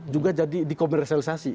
juga jadi dikomersialisasi